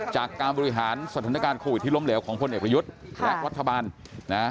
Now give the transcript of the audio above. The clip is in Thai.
จากการบริหารสถานการณ์โควิดที่ล้มเหลวของพลเอกประยุทธ์และรัฐบาลนะ